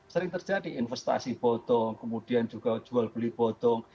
sering terjadi investasi bodong kemudian juga jual beli potong